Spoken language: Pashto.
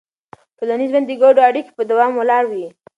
ټولنیز ژوند د ګډو اړیکو په دوام ولاړ وي.